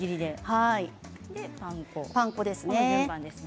パン粉です。